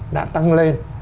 đã tăng lên